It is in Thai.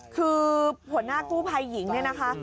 คือหัวหน้ากู้ภัยหญิงเนี่ยนะคะ